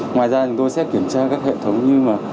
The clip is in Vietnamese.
ngoài ra chúng tôi sẽ kiểm tra các hệ thống như